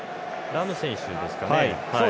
ラム選手ですかね。